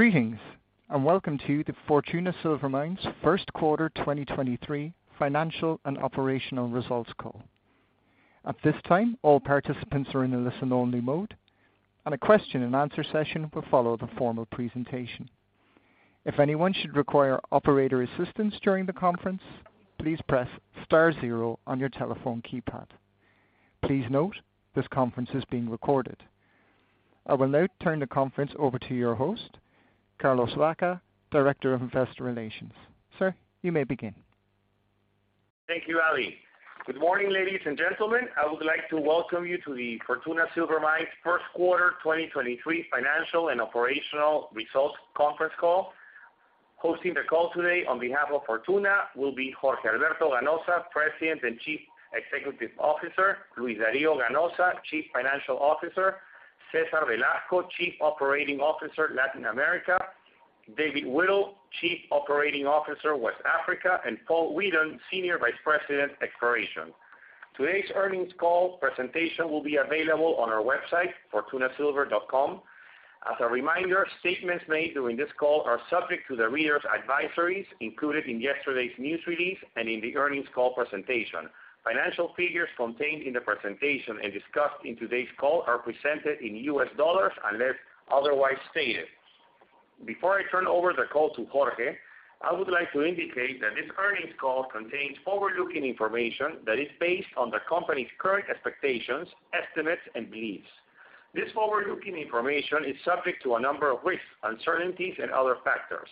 Greetings, welcome to the Fortuna Silver Mines' Q1 2023 Financial and Operational Results Call. At this time, all participants are in a listen-only mode, and a question and answer session will follow the formal presentation. If anyone should require operator assistance during the conference, please press star zero on your telephone keypad. Please note, this conference is being recorded. I will now turn the conference over to your host, Carlos Baca, Director of Investor Relations. Sir, you may begin. Thank you, Ali. Good morning, ladies and gentlemen. I would like to welcome you to the Fortuna Silver Mines Q1 2023 Financial and Operational Results Conference Call. Hosting the call today on behalf of Fortuna will be Jorge Alberto Ganoza, President and Chief Executive Officer, Luis Dario Ganoza, Chief Financial Officer, Cesar Velasco, Chief Operating Officer, Latin America, David Whittle, Chief Operating Officer, West Africa, and Paul Weedon, Senior Vice President, Exploration. Today's earnings call presentation will be available on our website, fortunasilvermines.com. As a reminder, statements made during this call are subject to the readers' advisories included in yesterday's news release and in the earnings call presentation. Financial figures contained in the presentation and discussed in today's call are presented in US dollars unless otherwise stated. Before I turn over the call to Jorge, I would like to indicate that this earnings call contains forward-looking information that is based on the company's current expectations, estimates, and beliefs. This forward-looking information is subject to a number of risks, uncertainties, and other factors.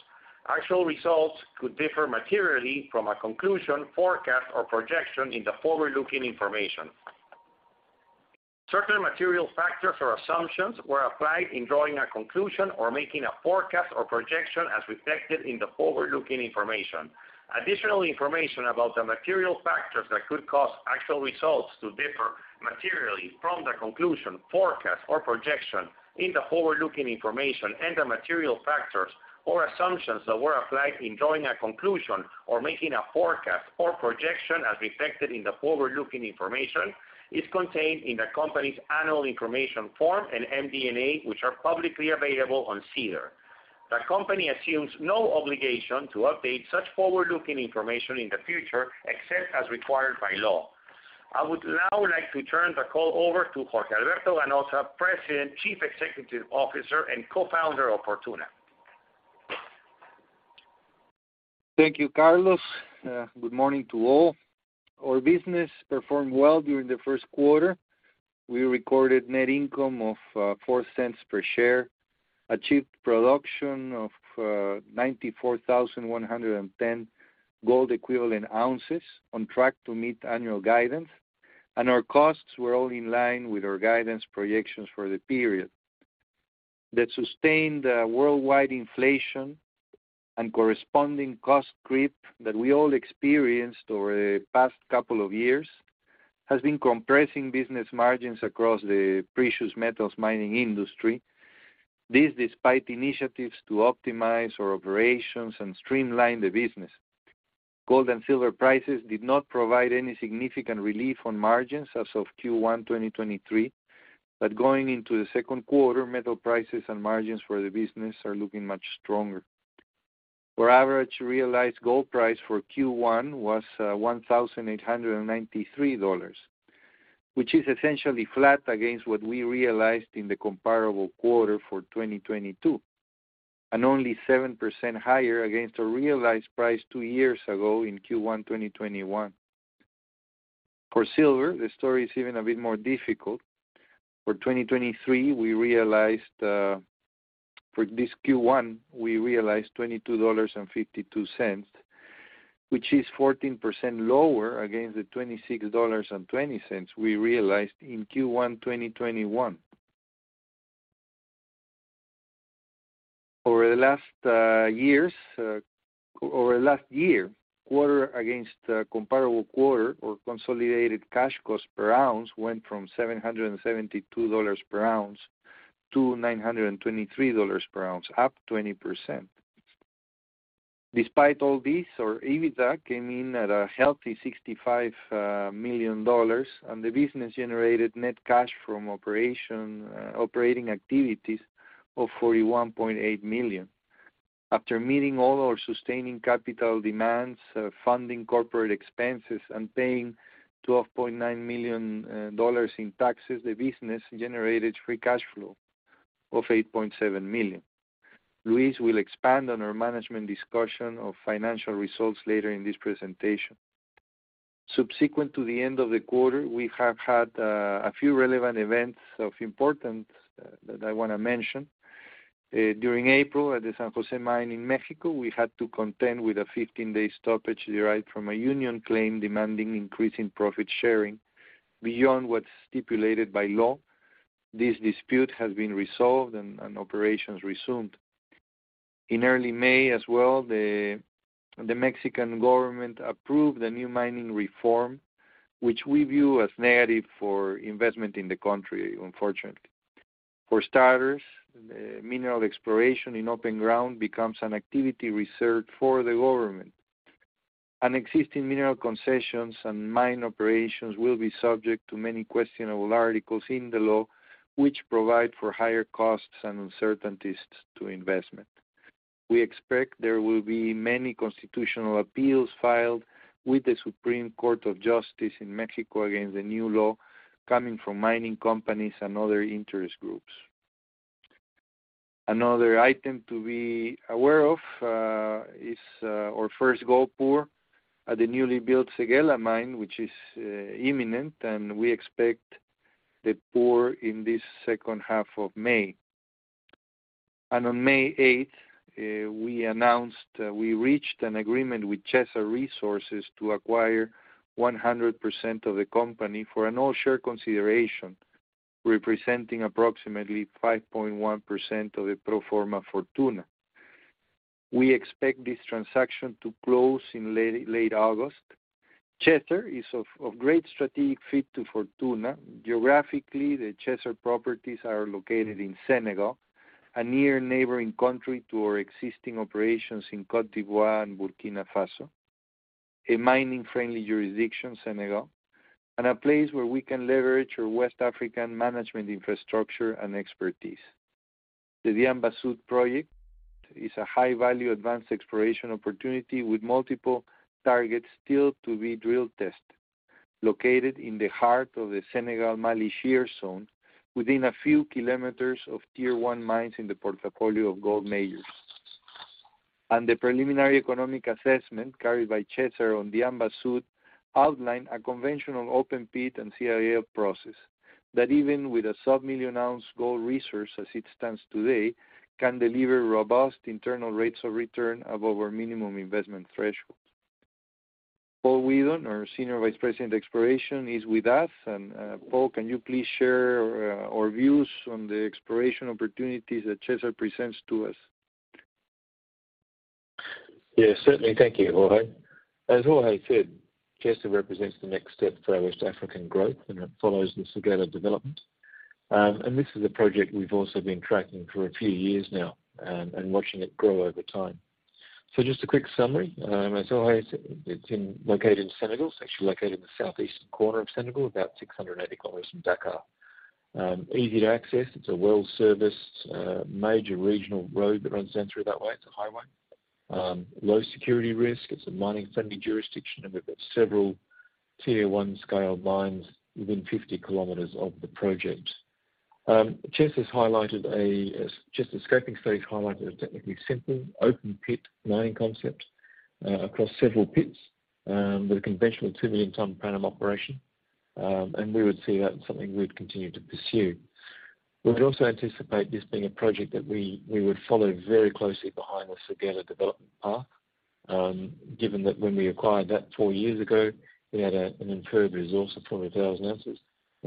Actual results could differ materially from a conclusion, forecast, or projection in the forward-looking information. Certain material factors or assumptions were applied in drawing a conclusion or making a forecast or projection as reflected in the forward-looking information. Additional information about the material factors that could cause actual results to differ materially from the conclusion, forecast, or projection in the forward-looking information and the material factors or assumptions that were applied in drawing a conclusion or making a forecast or projection as reflected in the forward-looking information is contained in the company's annual information form and MD&A, which are publicly available on SEDAR. The company assumes no obligation to update such forward-looking information in the future, except as required by law. I would now like to turn the call over to Jorge Alberto Ganoza, President, Chief Executive Officer, and Co-founder of Fortuna. Thank you, Carlos. Good morning to all. Our business performed well during the Q1. We recorded net income of $0.04 per share, achieved production of 94,110 gold equivalent ounces, on track to meet annual guidance. Our costs were all in line with our guidance projections for the period. The sustained worldwide inflation and corresponding cost creep that we all experienced over the past couple of years has been compressing business margins across the precious metals mining industry. This despite initiatives to optimize our operations and streamline the business. Gold and silver prices did not provide any significant relief on margins as of Q1 2023. Going into the Q2, metal prices and margins for the business are looking much stronger. Our average realized gold price for Q1 was $1,893, which is essentially flat against what we realized in the comparable quarter for 2022, and only 7% higher against the realized price two years ago in Q1, 2021. For silver, the story is even a bit more difficult. For 2023, we realized for this Q1, we realized $22.52, which is 14% lower against the $26.20 we realized in Q1, 2021. Over the last years, over the last year, quarter against comparable quarter or consolidated cash cost per ounce went from $772 per ounce to $923 per ounce, up 20%. Despite all this, our EBITDA came in at a healthy $65 million, and the business generated net cash from operating activities of $41.8 million. After meeting all our sustaining capital demands, funding corporate expenses, and paying $12.9 million in taxes, the business generated free cash flow of $8.7 million. Luis will expand on our management discussion of financial results later in this presentation. Subsequent to the end of the quarter, we have had a few relevant events of importance that I wanna mention. During April at the San Jose Mine in Mexico, we had to contend with a 15-day stoppage derived from a union claim demanding increase in profit sharing beyond what's stipulated by law. This dispute has been resolved, and operations resumed. In early May as well, the Mexican government approved the new mining reform, which we view as negative for investment in the country, unfortunately. For starters, mineral exploration in open ground becomes an activity reserved for the government. Existing mineral concessions and mine operations will be subject to many questionable articles in the law, which provide for higher costs and uncertainties to investment. We expect there will be many constitutional appeals filed with the Supreme Court of Justice of the Nation against the new law coming from mining companies and other interest groups. Another item to be aware of is our first gold pour at the newly built Séguéla mine, which is imminent, and we expect the pour in this second half of May. On May eighth, we announced we reached an agreement with Chesser Resources to acquire 100% of the company for an all-share consideration, representing approximately 5.1% of the pro forma Fortuna. We expect this transaction to close in late August. Chesser is of great strategic fit to Fortuna. Geographically, the Chesser properties are located in Senegal, a near neighboring country to our existing operations in Côte d'Ivoire and Burkina Faso. A mining-friendly jurisdiction, Senegal. A place where we can leverage our West African management infrastructure and expertise. The Diamba Sud project is a high-value advanced exploration opportunity with multiple targets still to be drill tested. Located in the heart of the Senegal Mali Shear Zone, within a few kilometers of tier one mines in the portfolio of gold majors. The preliminary economic assessment carried by Chesser on Diamba Sud outline a conventional open pit and CIL process that even with a sub-million ounce gold resource as it stands today, can deliver robust internal rates of return above our minimum investment threshold. Paul Weedon, our Senior Vice President of Exploration, is with us. Paul, can you please share our views on the exploration opportunities that Chesser presents to us? Certainly. Thank you, Jorge. As Jorge said, Chesser represents the next step for our West African growth, and it follows the Séguéla development. This is a project we've also been tracking for a few years now and watching it grow over time. Just a quick summary. As Jorge said, it's located in Senegal. It's actually located in the southeast corner of Senegal, about 680 km from Dakar. Easy to access. It's a well-serviced, major regional road that runs down through that way. It's a highway. Low security risk. It's a mining-friendly jurisdiction. We've got several tier one scale mines within 50 km of the project. Chesser's highlighted a just a scoping stage, highlighted a technically simple open pit mining concept across several pits with a conventional 2 million ton per annum operation. We would see that as something we'd continue to pursue. We would also anticipate this being a project that we would follow very closely behind the Séguéla development path. Given that when we acquired that 4 years ago, we had an inferred resource of 20,000 ounces,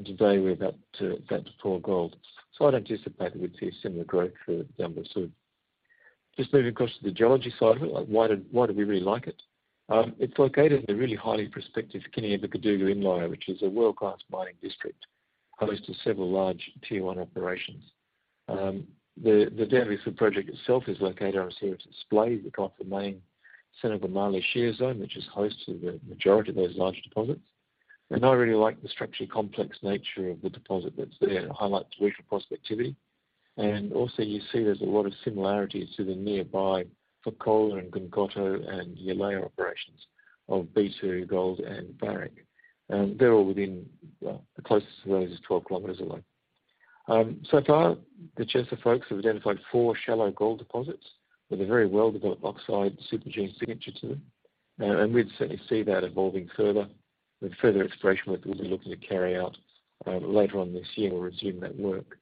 today we're about to vent 4 gold. I'd anticipate we'd see a similar growth for Diamba Sud. Just moving across to the geology side of it, like why do we really like it? It's located in a really highly prospective Guinea of the Kédougou inlier, which is a world-class mining district host to several large tier one operations. The Diamba Sud project itself is located on a series of splay across the main Senegal Mali Shear Zone, which is host to the majority of those large deposits. I really like the structurally complex nature of the deposit that's there. It highlights regional prospectivity. Also you see there's a lot of similarities to the nearby Fekola and Gounkoto and Yalea operations of B2Gold and Barrick. They're all within, well, the closest to those is 12 kilometers away. So far the Chesser folks have identified four shallow gold deposits with a very well-developed oxide supergene signature to them. And we'd certainly see that evolving further with further exploration work that we'll be looking to carry out, later on this year, we'll resume that work.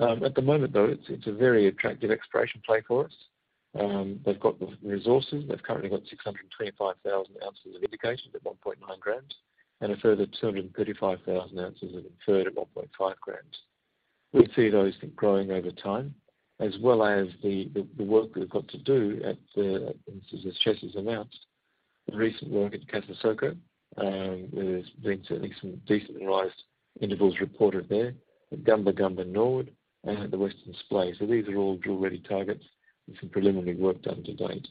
At the moment though it's a very attractive exploration play for us. They've got the resources. They've currently got 625,000 ounces of indications at 1.9 grams and a further 235,000 ounces of inferred at 1.5 grams. We see those growing over time as well as the work we've got to do at the, as Chesser's announced. The recent work at Kassako, there's been certainly some decent rise intervals reported there. At Gamba Gamba Nord and at the Western Splay. These are all drill-ready targets with some preliminary work done to date.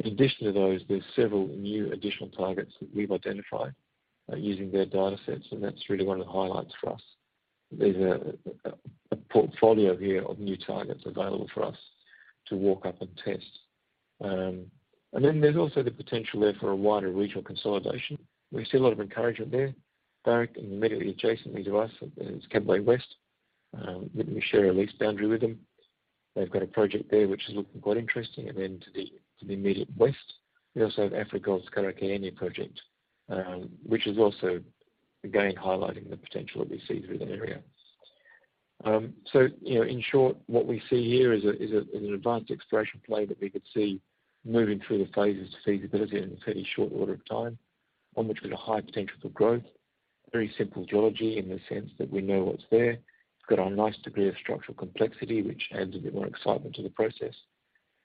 In addition to those, there's several new additional targets that we've identified using their datasets, and that's really one of the highlights for us. There's a portfolio here of new targets available for us to walk up and test. There's also the potential there for a wider regional consolidation. We see a lot of encouragement there. Barrick immediately adjacent to us is Kenieba West. We share a lease boundary with them. They've got a project there which is looking quite interesting. To the immediate west, we also have Afric Gold's Karakaya project, which is also again highlighting the potential that we see through that area. You know, in short, what we see here is an advanced exploration play that we could see moving through the phases to feasibility in a fairly short order of time on which we've got a high potential for growth. Very simple geology in the sense that we know what's there. It's got a nice degree of structural complexity, which adds a bit more excitement to the process.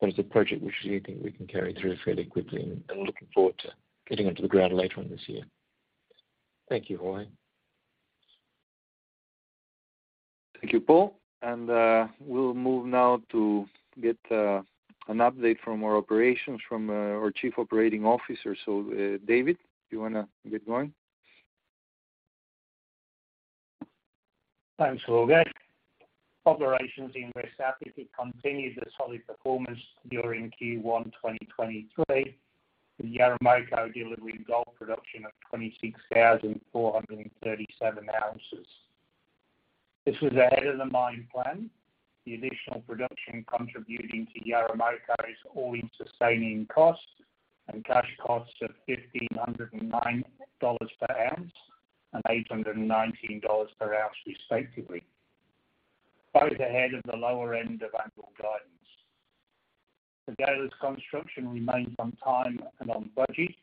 It's a project which we think we can carry through fairly quickly and looking forward to getting onto the ground later on this year. Thank you, Jorge. Thank you, Paul. We'll move now to get an update from our operations from our chief operating officer. David, do you wanna get going? Thanks, Jorge. Operations in West Africa continued the solid performance during Q1 2023, with Yaramoko delivering gold production of 26,437 ounces. This was ahead of the mine plan, the additional production contributing to Yaramoko's all-in sustaining costs and cash costs of $1,509 per ounce and $819 per ounce respectively. Both ahead of the lower end of annual guidance. Séguéla's construction remains on time and on budget,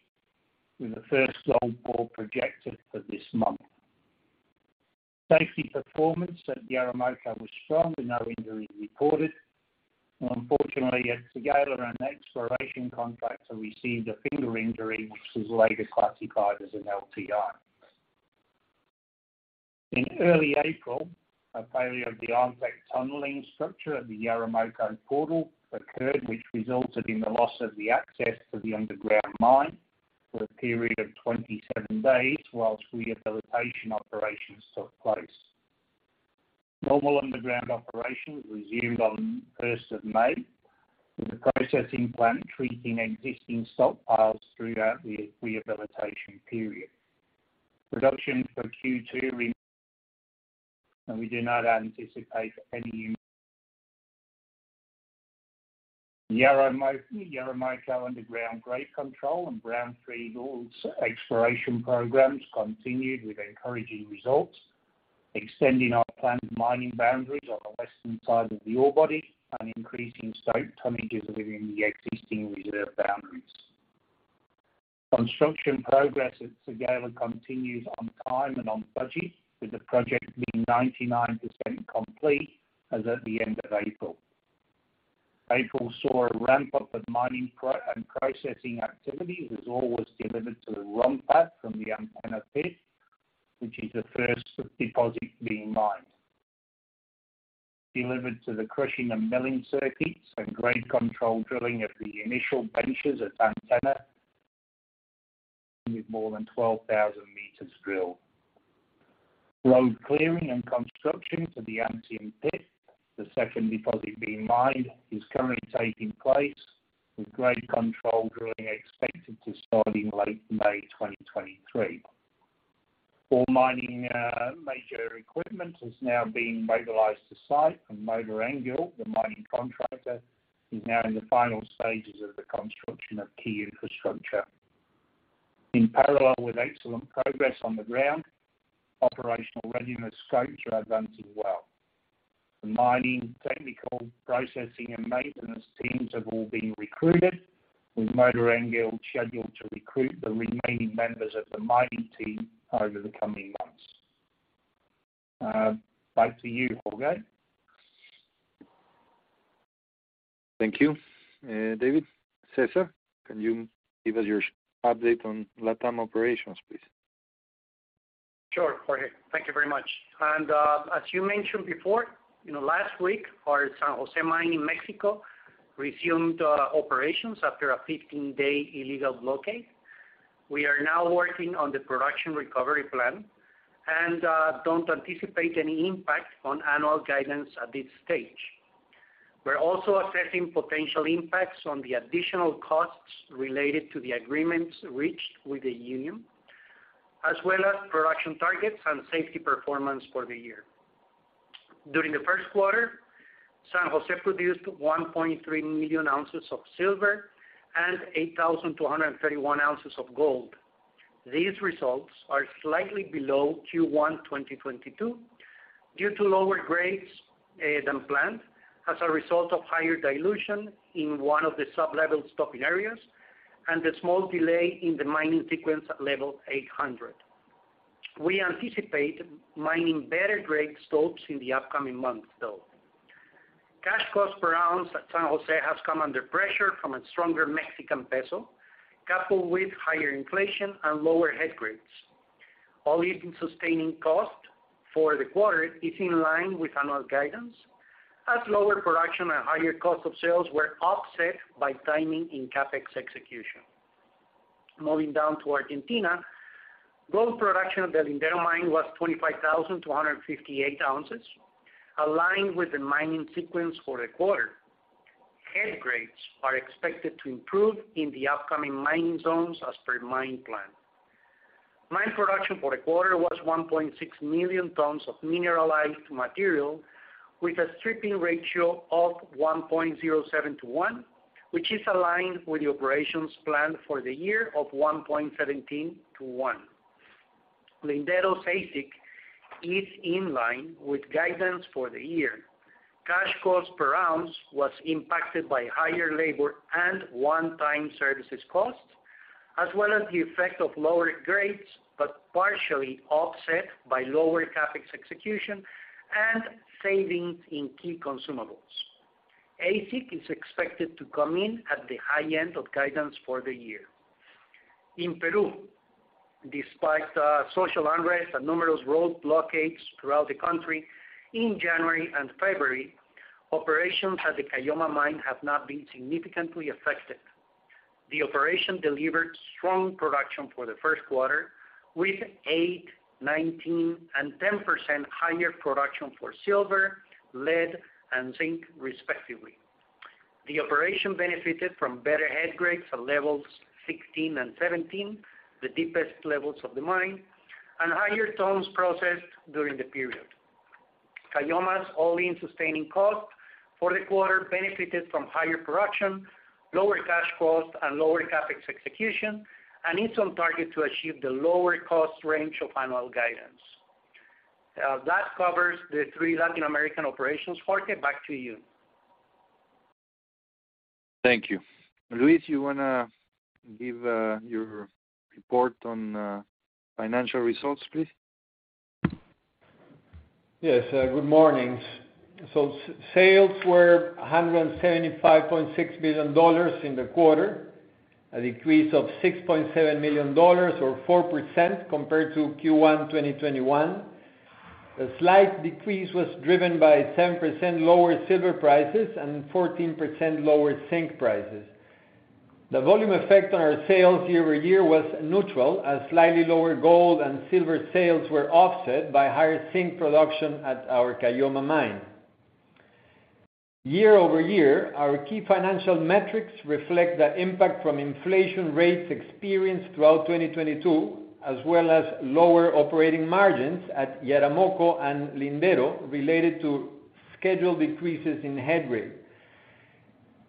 with the first gold ore projected for this month. Safety performance at Yaramoko was strong, with no injuries reported. Unfortunately, at Séguéla, an exploration contractor received a finger injury which was later classified as an LTI. In early April, a failure of the Armtec tunneling structure at the Yaramoko portal occurred, which resulted in the loss of the access to the underground mine for a period of 27 days whilst rehabilitation operations took place. Normal underground operations resumed on 1st of May, with the processing plant treating existing stockpiles throughout the rehabilitation period. Yaramoko underground grade control and brown free gold exploration programs continued with encouraging results, extending our planned mining boundaries on the western side of the ore body and increasing stope tonnage within the existing reserve boundaries. Construction progress at Séguéla continues on time and on budget, with the project being 99% complete as at the end of April. April saw a ramp-up of mining. Processing activity as ore was delivered to the ROM pad from the Antenna Pit, which is the first deposit being mined. Delivered to the crushing and milling circuits and grade control drilling of the initial benches at Antenna with more than 12,000 meters drilled. Load clearing and construction for the Ancien Pit, the second deposit being mined, is currently taking place, with grade control drilling expected to start in late May 2023. All mining major equipment is now being mobilized to site, and Mota-Engil, the mining contractor, is now in the final stages of the construction of key infrastructure. In parallel with excellent progress on the ground, operational readiness scopes are advancing well. The mining, technical, processing, and maintenance teams have all been recruited, with Mota-Engil scheduled to recruit the remaining members of the mining team over the coming months. Back to you, Jorge. Thank you, David. Cesar, can you give us your update on Latam operations, please? Sure, Jorge. Thank you very much. As you mentioned before, you know, last week, our San Jose mine in Mexico resumed operations after a 15-day illegal blockade. We are now working on the production recovery plan and don't anticipate any impact on annual guidance at this stage. We're also assessing potential impacts on the additional costs related to the agreements reached with the union, as well as production targets and safety performance for the year. During the Q1, San Jose produced 1.3 million ounces of silver and 8,231 ounces of gold. These results are slightly below Q1 2022 due to lower grades than planned as a result of higher dilution in one of the sub-level stopping areas and a small delay in the mining sequence at level 800. We anticipate mining better grade stopes in the upcoming months, though. Cash cost per ounce at San Jose has come under pressure from a stronger MXN, coupled with higher inflation and lower head grades. All-in sustaining cost for the quarter is in line with annual guidance, as lower production and higher cost of sales were offset by timing in CapEx execution. Moving down to Argentina, gold production at the Lindero mine was 25,258 ounces, aligned with the mining sequence for the quarter. Head grades are expected to improve in the upcoming mining zones as per mine plan. Mine production for the quarter was 1.6 million tons of mineralized material with a stripping ratio of 1.07 to 1, which is aligned with the operations planned for the year of 1.17 to 1. Lindero's AISC is in line with guidance for the year. Cash cost per ounce was impacted by higher labor and one-time services costs, as well as the effect of lower grades, but partially offset by lower CapEx execution and savings in key consumables. AISC is expected to come in at the high end of guidance for the year. In Peru, despite the social unrest and numerous road blockades throughout the country in January and February, operations at the Caylloma Mine have not been significantly affected. The operation delivered strong production for the Q1, with 8%, 19%, and 10% higher production for silver, lead, and zinc respectively. The operation benefited from better head grades at levels 16 and 17, the deepest levels of the mine, and higher tons processed during the period. Caylloma's all-in-sustaining cost for the quarter benefited from higher production, lower cash costs, and lower CapEx execution, and is on target to achieve the lower cost range of annual guidance. That covers the three Latin American operations. Jorge, back to you. Thank you. Luis, you wanna give your report on financial results, please? Yes. good morning. Sales were $175.6 million in the quarter, a decrease of $6.7 million or 4% compared to Q1 2021. The slight decrease was driven by 10% lower silver prices and 14% lower zinc prices. The volume effect on our sales year-over-year was neutral, as slightly lower gold and silver sales were offset by higher zinc production at our Caylloma mine. Year-over-year, our key financial metrics reflect the impact from inflation rates experienced throughout 2022, as well as lower operating margins at Yaramoko and Lindero related to scheduled decreases in head grade.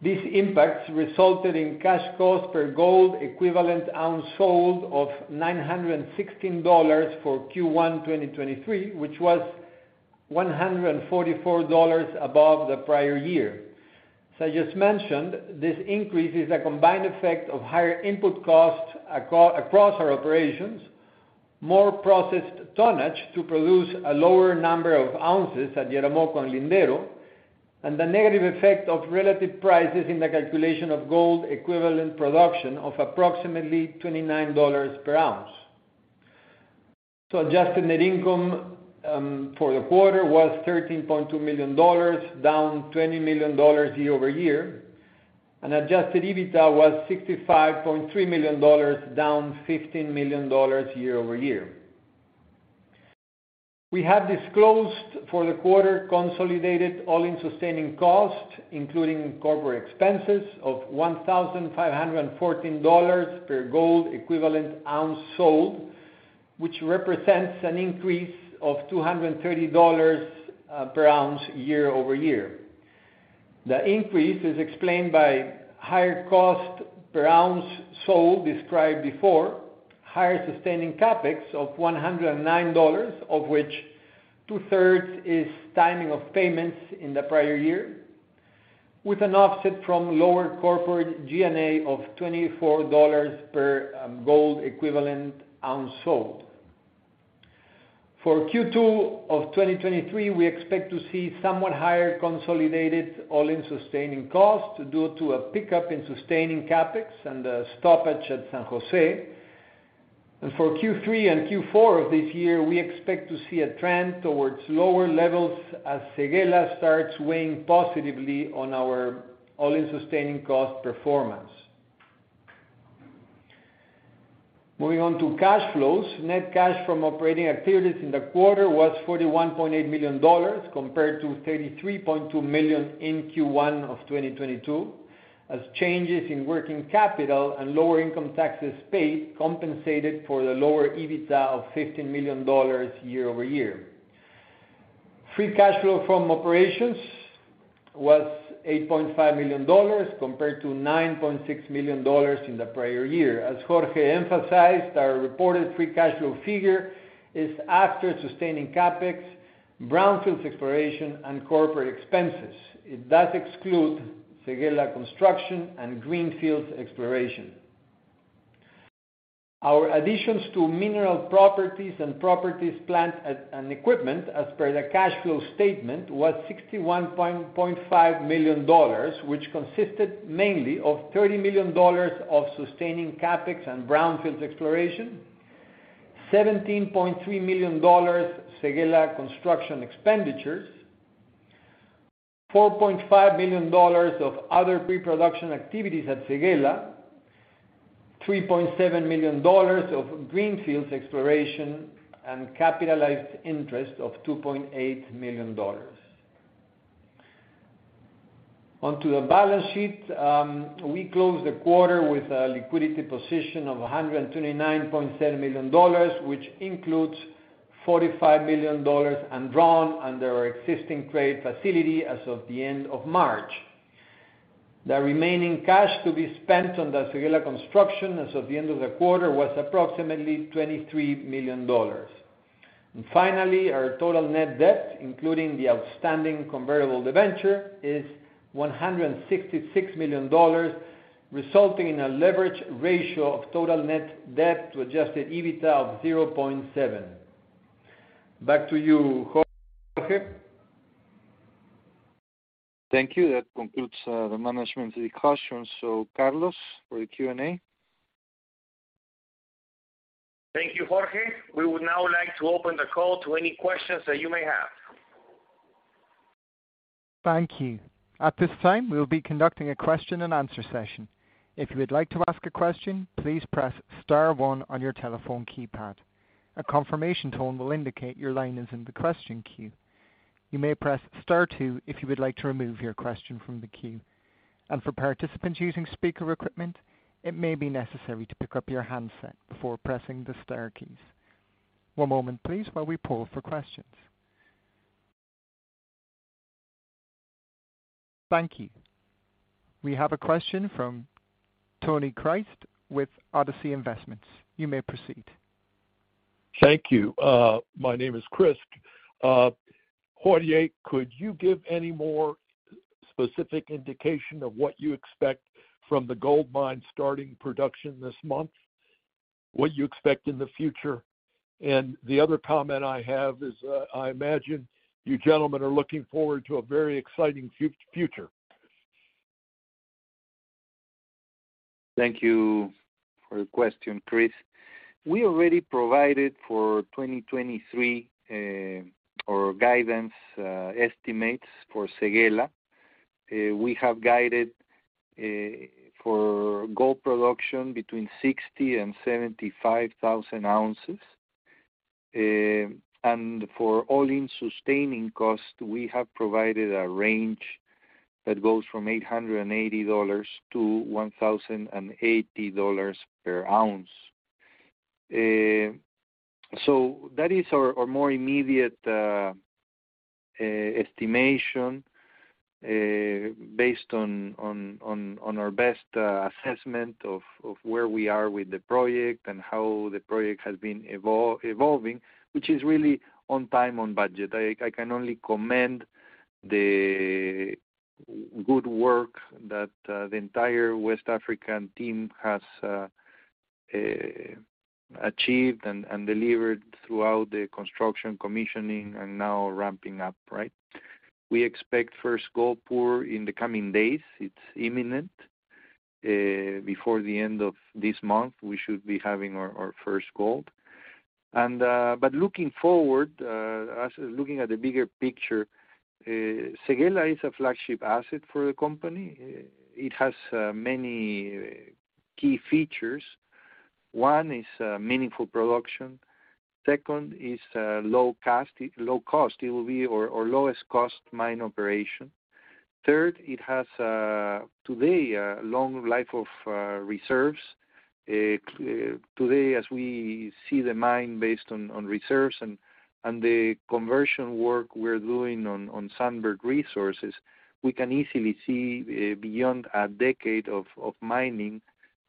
These impacts resulted in cash cost per gold equivalent ounce sold of $916 for Q1 2023, which was $144 above the prior year. As I just mentioned, this increase is a combined effect of higher input costs across our operations, more processed tonnage to produce a lower number of ounces at Yaramoko and Lindero, and the negative effect of relative prices in the calculation of gold-equivalent production of approximately $29 per ounce. Adjusted net income for the quarter was $13.2 down 20 million year-over-year. Adjusted EBITDA was $65.3 down 15 million year-over-year. We have disclosed for the quarter consolidated all-in sustaining costs, including corporate expenses of $1,514 per gold equivalent ounce sold, which represents an increase of $230 per ounce year-over-year. The increase is explained by higher cost per ounce sold described before, higher sustaining CapEx of $109, of which two-thirds is timing of payments in the prior year, with an offset from lower corporate G&A of $24 per gold equivalent ounce sold. For Q2 of 2023, we expect to see somewhat higher consolidated all-in sustaining costs due to a pickup in sustaining CapEx and a stoppage at San Jose. For Q3 and Q4 of this year, we expect to see a trend towards lower levels as Séguéla starts weighing positively on our all-in sustaining cost performance. Moving on to cash flows. Net cash from operating activities in the quarter was $41.8 million compared to $33.2 million in Q1 of 2022, as changes in working capital and lower income taxes paid compensated for the lower EBITDA of $15 million year-over-year. Free cash flow from operations was $8.5 million compared to $9.6 million in the prior year. As Jorge emphasized, our reported free cash flow figure is after sustaining CapEx, brownfields exploration, and corporate expenses. It does exclude Séguéla construction and greenfields exploration. Our additions to mineral properties and properties, plant, and equipment as per the cash flow statement was $61.5 million, which consisted mainly of $30 million of sustaining CapEx and brownfields exploration, $17.3 million Séguéla construction expenditures, $4.5 million of other pre-production activities at Séguéla, $3.7 million of greenfields exploration, and capitalized interest of $2.8 million. Onto the balance sheet. We closed the quarter with a liquidity position of $129.7 million, which includes $45 million undrawn under our existing credit facility as of the end of March. The remaining cash to be spent on the Séguéla construction as of the end of the quarter was approximately $23 million. Finally, our total net debt, including the outstanding convertible debenture, is $166 million, resulting in a leverage ratio of total net debt to adjusted EBITDA of 0.7. Back to you, Jorge Thank you. That concludes the management discussions. Carlos for the Q&A. Thank you, Jorge. We would now like to open the call to any questions that you may have. Thank you. At this time, we'll be conducting a question and answer session. If you would like to ask a question, please press star one on your telephone keypad. A confirmation tone will indicate your line is in the question queue. You may press star two if you would like to remove your question from the queue. For participants using speaker equipment, it may be necessary to pick up your handset before pressing the star keys. One moment please while we pull for questions. Thank you. We have a question from Tony Crist with Odyssey Investments. You may proceed. Thank you. My name is Crist. Jorge, could you give any more specific indication of what you expect from the gold mine starting production this month? What you expect in the future? The other comment I have is, I imagine you gentlemen are looking forward to a very exciting future. Thank you for the question, Crist. We already provided for 2023 our guidance estimates for Séguéla. We have guided for gold production between 60,000 and 75,000 ounces. For all-in sustaining cost, we have provided a range that goes from $880 to 1,080 per ounce. That is our more immediate estimation, based on our best assessment of where we are with the project and how the project has been evolving, which is really on time, on budget. I can only commend the good work that the entire West African team has achieved and delivered throughout the construction commissioning and now ramping up, right? We expect first gold pour in the coming days. It's imminent. Before the end of this month, we should be having our first gold. Looking forward, as looking at the bigger picture, Séguéla is a flagship asset for the company. It has many key features. One is meaningful production. Second is low cost. It will be our lowest cost mine operation. Third, it has today a long life of reserves. Today, as we see the mine based on reserves and the conversion work we're doing on Sunbird Resources, we can easily see beyond a decade of mining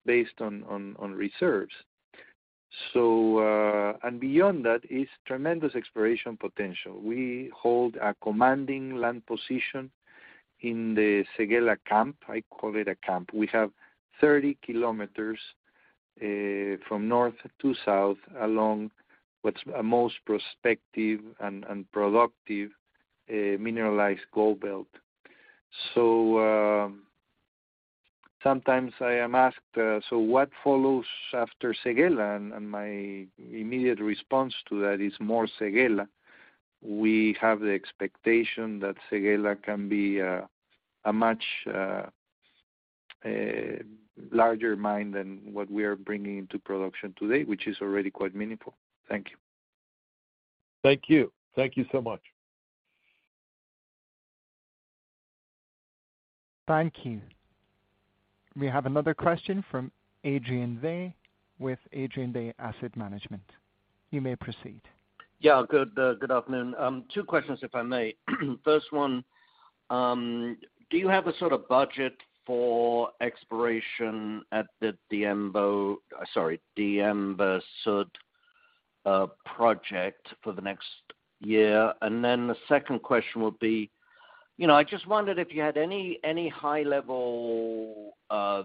based on reserves. Beyond that is tremendous exploration potential. We hold a commanding land position in the Séguéla camp. I call it a camp. We have 30 kilometers from north to south along what's a most prospective and productive mineralized gold belt. Sometimes I am asked, "What follows after Séguéla?" My immediate response to that is more Séguéla. We have the expectation that Séguéla can be a much larger mine than what we are bringing into production today, which is already quite meaningful. Thank you. Thank you. Thank you so much. Thank you. We have another question from Adrian Day with Adrian Day Asset Management. You may proceed. Yeah. Good afternoon. Two questions if I may. First one, do you have a sort of budget for exploration at the Diamba Sud project for the next year? The second question would be, you know, I just wondered if you had any high-level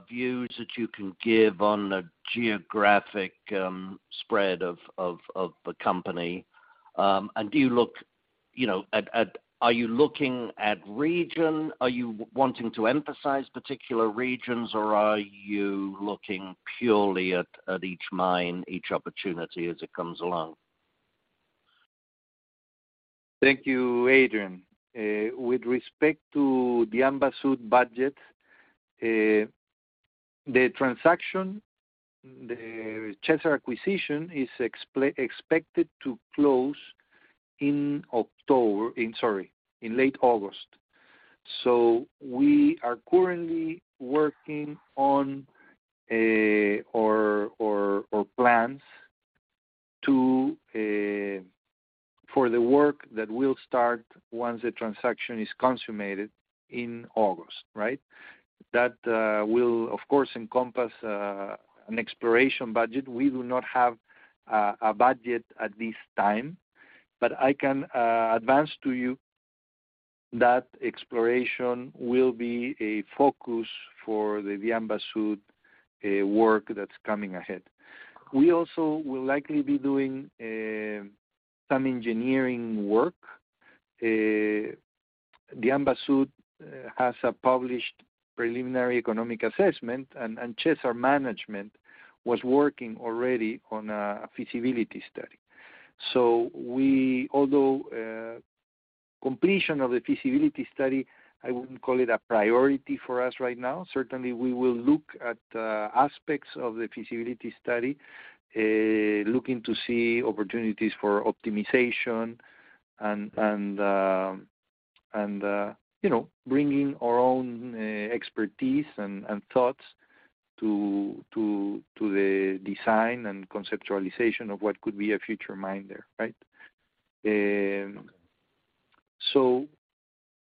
views that you can give on the geographic spread of the company. Do you look, you know, at? Are you looking at region? Are you wanting to emphasize particular regions, or are you looking purely at each mine, each opportunity as it comes along? Thank you, Adrian. With respect to Diamba Sud budget, the transaction, the Chesser acquisition is expected to close in October, Sorry, in late August. We are currently working on our plans to for the work that will start once the transaction is consummated in August, right? That will of course encompass an exploration budget. We do not have a budget at this time, but I can advance to you that exploration will be a focus for the Diamba Sud work that's coming ahead. We also will likely be doing some engineering work. The Diamba Sud has a published preliminary economic assessment, and Cesar management was working already on a feasibility study. We although completion of the feasibility study, I wouldn't call it a priority for us right now. Certainly, we will look at aspects of the feasibility study, looking to see opportunities for optimization and, you know, bringing our own expertise and thoughts to, to the design and conceptualization of what could be a future mine there, right?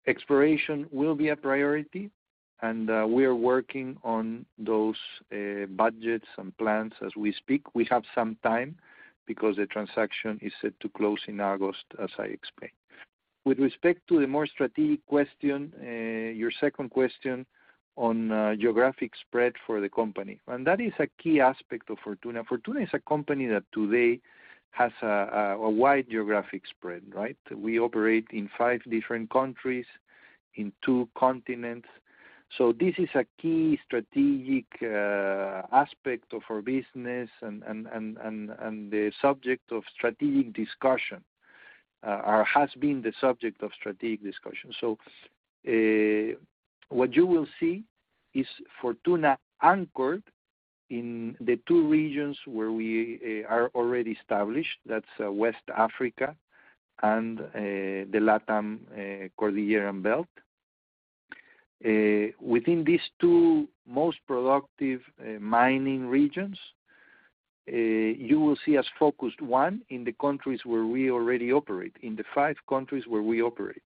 Exploration will be a priority, and we are working on those budgets and plans as we speak. We have some time because the transaction is set to close in August as I explained. With respect to the more strategic question, your second question on geographic spread for the company. That is a key aspect of Fortuna. Fortuna is a company that today has a wide geographic spread, right? We operate in five different countries, in two continents. This is a key strategic aspect of our business and the subject of strategic discussion or has been the subject of strategic discussion. What you will see is Fortuna anchored in the two regions where we are already established. That's West Africa and the LATAM Cordillera Belt. Within these two most productive mining regions, you will see us focused, one, in the countries where we already operate, in the five countries where we operate.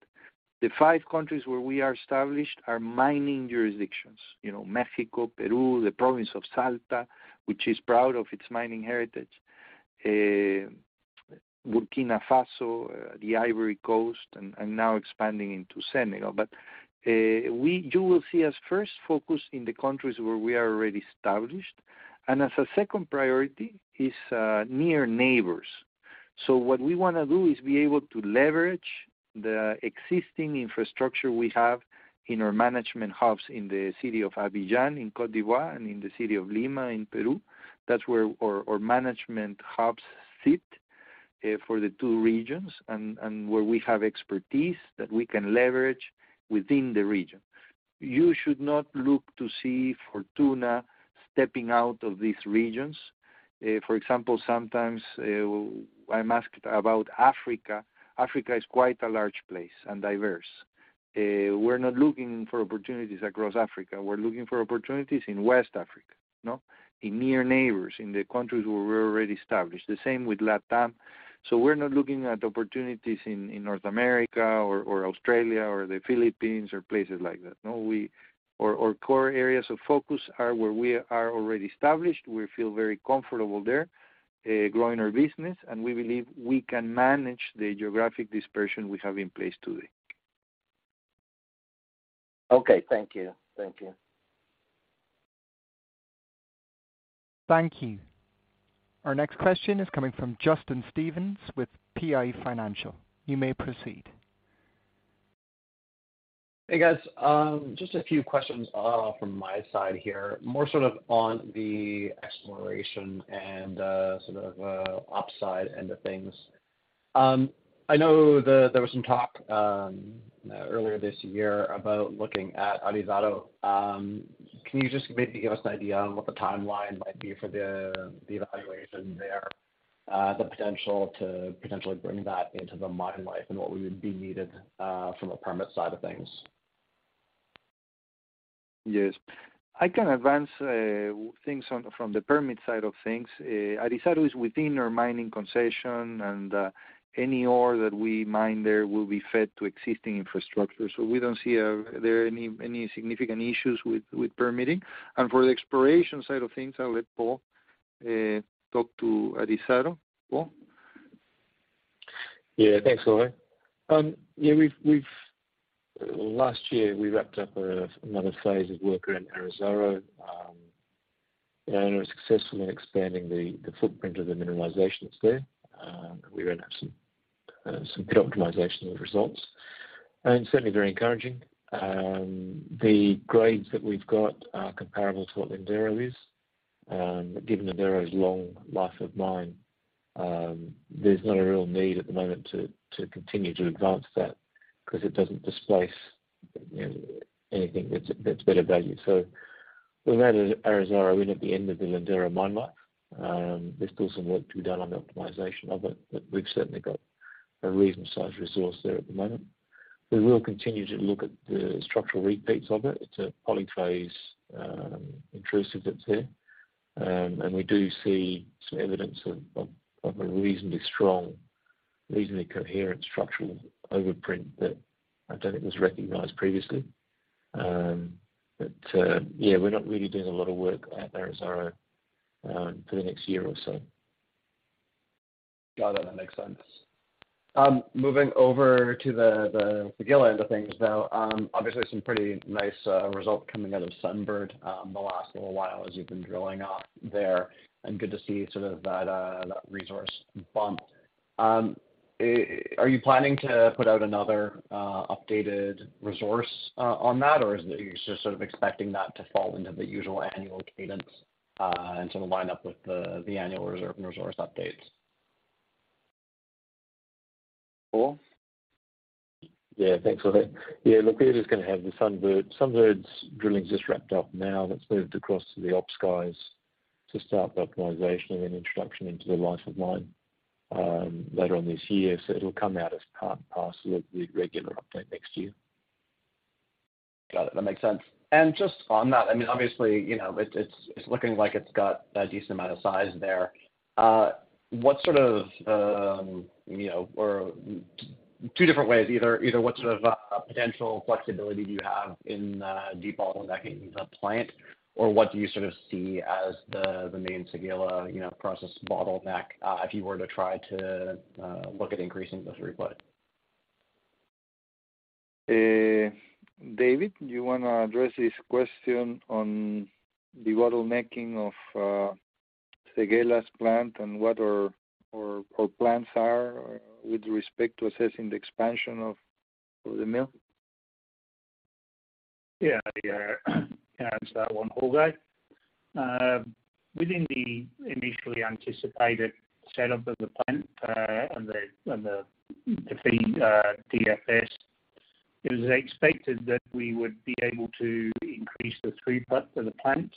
The five countries where we are established are mining jurisdictions. You know, Mexico, Peru, the province of Salta, which is proud of its mining heritage. Burkina Faso, Côte d'Ivoire, and now expanding into Senegal. You will see us first focus in the countries where we are already established. As a second priority is near neighbors. What we wanna do is be able to leverage the existing infrastructure we have in our management hubs in the city of Abidjan in Côte d'Ivoire and in the city of Lima in Peru. That's where our management hubs sit for the two regions and where we have expertise that we can leverage within the region. You should not look to see Fortuna stepping out of these regions. For example, sometimes I'm asked about Africa. Africa is quite a large place and diverse. We're not looking for opportunities across Africa. We're looking for opportunities in West Africa, you know. In near neighbors, in the countries where we're already established. The same with LATAM. We're not looking at opportunities in North America or Australia or the Philippines or places like that. No, our core areas of focus are where we are already established. We feel very comfortable there, growing our business, and we believe we can manage the geographic dispersion we have in place today. Okay, thank you. Thank you. Thank you. Our next question is coming from Justin Stevens with PI Financial. You may proceed. Hey, guys. Just a few questions from my side here, more sort of on the exploration and sort of upside end of things. I know there was some talk earlier this year about looking at Arizaro. Can you just maybe give us an idea on what the timeline might be for the evaluation there? The potential to potentially bring that into the mine life and what would be needed from a permit side of things? Yes. I can advance things from the permit side of things. Arizaro is within our mining concession, and any ore that we mine there will be fed to existing infrastructure. We don't see there any significant issues with permitting. For the exploration side of things, I'll let Paul talk to Arizaro. Paul? Thanks, Jorge. Last year, we wrapped up another phase of work around Arizaro, and we're successful in expanding the footprint of the mineralization that's there. We ran some optimization of the results, certainly very encouraging. The grades that we've got are comparable to what Lindero is. Given Lindero's long life of mine, there's not a real need at the moment to continue to advance that 'cause it doesn't displace, you know, anything that's better value. We've added Arizaro in at the end of the Lindero mine life. There's still some work to be done on the optimization of it, we've certainly got a reasonable sized resource there at the moment. We will continue to look at the structural repeats of it. It's a polyphase intrusive that's there. We do see some evidence of a reasonably strong, reasonably coherent structural overprint that I don't think was recognized previously. Yeah, we're not really doing a lot of work at Arizaro for the next year or so. Got it. That makes sense. Moving over to the Séguéla end of things, though. Obviously some pretty nice result coming out of Sunbird the last little while as you've been drilling up there, and good to see sort of that resource bump. Are you planning to put out another updated resource on that, or is it you're just sort of expecting that to fall into the usual annual cadence and sort of line up with the annual reserve and resource updates? Paul? Yeah. Thanks, Jorge. Yeah, look, we're just gonna have the Sunbird's drilling just wrapped up now. That's moved across to the ops guys to start the optimization and introduction into the life of mine, later on this year. It'll come out as part and parcel of the regular update next year. Got it. That makes sense. Just on that, I mean, obviously, you know, it's looking like it's got a decent amount of size there. What sort of, you know, or two different ways, either one sort of potential flexibility do you have in deep hole that can plant? What do you sort of see as the main Séguéla, you know, process bottleneck, if you were to try to look at increasing the throughput? David, do you wanna address this question on the bottlenecking of Séguéla's plant and what our plans are with respect to assessing the expansion of the mill? Yeah. Yeah. Can answer that one, Jorge. Within the initially anticipated setup of the plant, and the to feed, DFS, it was expected that we would be able to increase the throughput of the plant,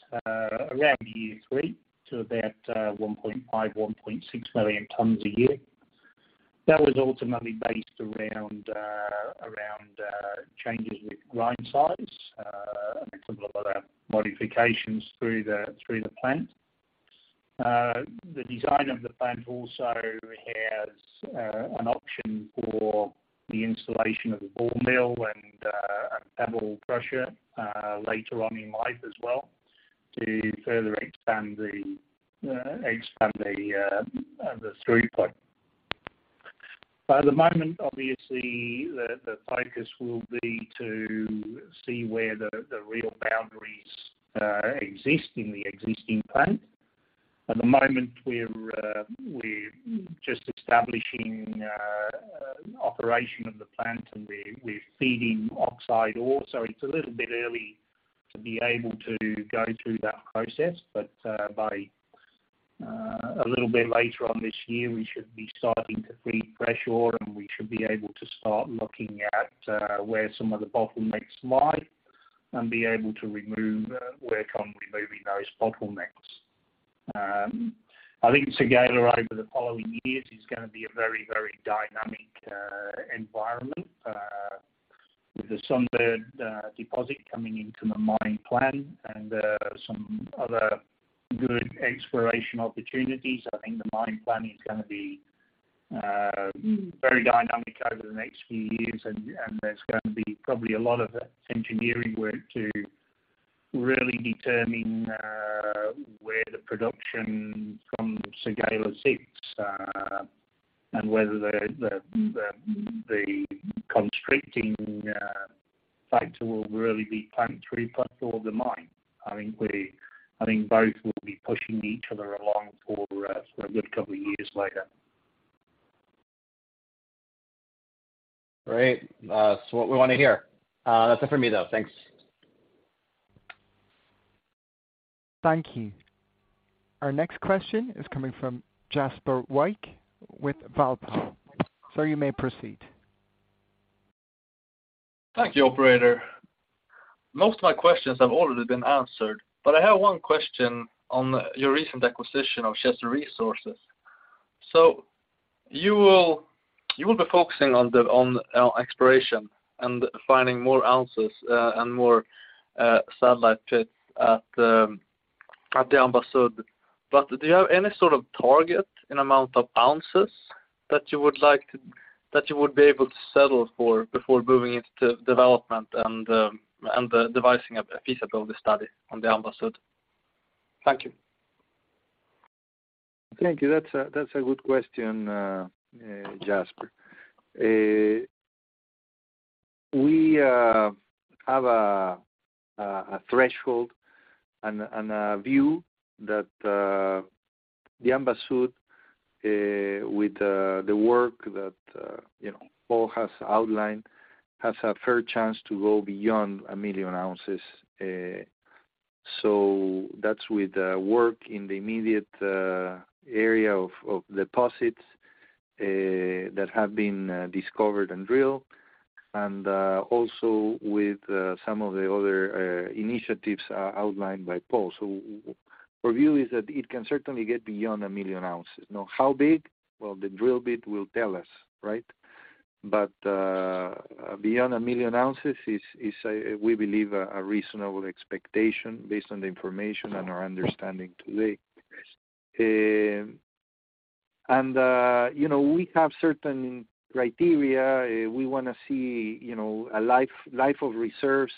around year three to about 1.5, 1.6 million tons a year. That was ultimately based around changes with grind size, and some of other modifications through the plant. The design of the plant also has an option for the installation of a ball mill and a pebble crusher, later on in life as well to further expand the throughput. At the moment obviously, the focus will be to see where the real boundaries exist in the existing plant. At the moment, we're just establishing operation of the plant, and we're feeding oxide ore. It's a little bit early to be able to go through that process. By a little bit later on this year, we should be starting to feed fresh ore, and we should be able to start looking at where some of the bottlenecks lie and be able to work on removing those bottlenecks. I think Séguéla over the following years is gonna be a very dynamic environment. With the Sunbird deposit coming into the mine plan and some other good exploration opportunities, I think the mine plan is gonna be very dynamic over the next few years. There's gonna be probably a lot of engineering work to really determine where the production from Séguéla sits and whether the constricting factor will really be plant throughput or the mine. I think both will be pushing each other along for a good couple of years later. Great. That's what we wanna hear. That's it for me, though. Thanks. Thank you. Our next question is coming from Jasper White with Valpes. Sir, you may proceed. Thank you, operator. Most of my questions have already been answered. I have one question on your recent acquisition of Chesser Resources. You will be focusing on the, on exploration and finding more ounces, and more satellite pits at Diamba Sud. Do you have any sort of target in amount of ounces that you would be able to settle for before moving into development and devising a feasibility study on Diamba Sud? Thank you. Thank you. That's a good question, Jasper. We have a threshold and a view that the Diamba Sud, with the work that, you know, Paul has outlined, has a fair chance to go beyond 1 million ounces. That's with the work in the immediate area of deposits that have been discovered and drilled and also with some of the other initiatives outlined by Paul. Our view is that it can certainly get beyond 1 million ounces. Now, how big? Well, the drill bit will tell us, right? Beyond 1 million ounces is a, we believe a reasonable expectation based on the information and our understanding to date. You know, we have certain criteria. We wanna see, you know, a life of reserves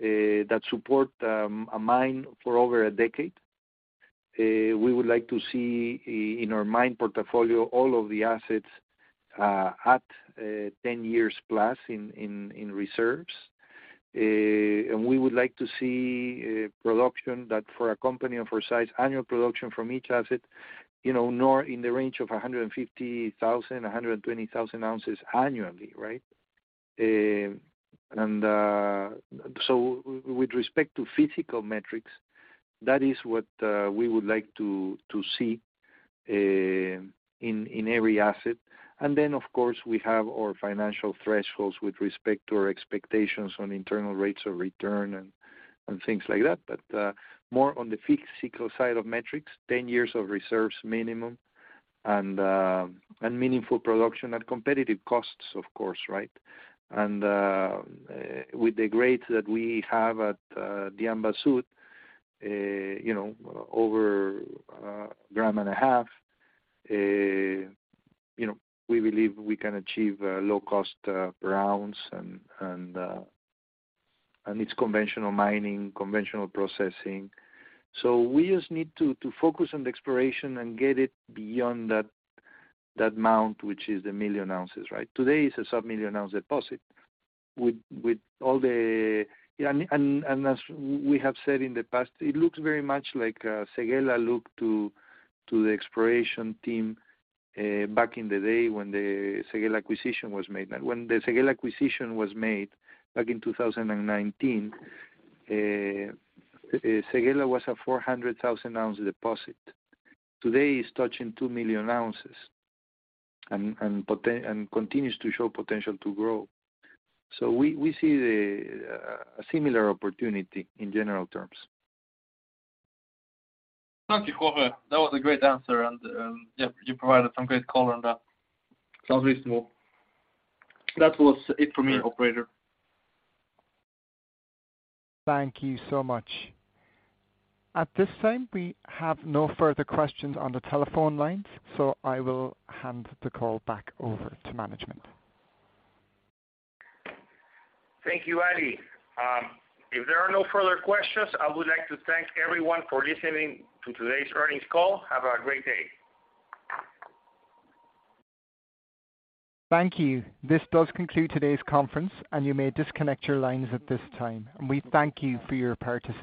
that support a mine for over a decade. We would like to see in our mine portfolio, all of the assets at 10 years plus in reserves. We would like to see production that for a company of our size, annual production from each asset, you know, nor in the range of 150,000, 120,000 ounces annually, right? With respect to physical metrics, that is what we would like to see in every asset. Then of course, we have our financial thresholds with respect to our expectations on internal rates of return and things like that. More on the physical side of metrics, 10 years of reserves minimum and meaningful production at competitive costs, of course, right? With the grades that we have at Diamba Sud, you know, over 1.5 grams, you know, we believe we can achieve low cost grounds and it's conventional mining, conventional processing. We just need to focus on the exploration and get it beyond that mount, which is the 1 million ounces, right? Today, it's a sub-1-million-ounce deposit. With all the... And as we have said in the past, it looks very much like Séguéla looked to the exploration team back in the day when the Séguéla acquisition was made. When the Séguéla acquisition was made back in 2019, Séguéla was a 400,000-ounce deposit. Today, it's touching 2 million ounces and continues to show potential to grow. We see a similar opportunity in general terms. Thank you, Jorge. That was a great answer and, yeah, you provided some great color on that. Sounds reasonable. That was it for me, operator. Thank you so much. At this time, we have no further questions on the telephone lines, so I will hand the call back over to management. Thank you, Ali. If there are no further questions, I would like to thank everyone for listening to today's earnings call. Have a great day. Thank you. This does conclude today's conference. You may disconnect your lines at this time. We thank you for your participation.